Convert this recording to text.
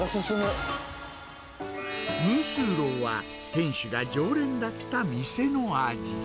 ムースーローは、店主が常連だった店の味。